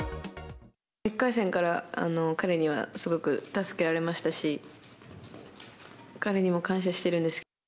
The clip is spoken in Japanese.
１回戦から彼にはすごく助けられましたし、彼にも感謝してる